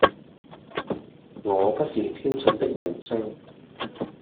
我不是天上的明星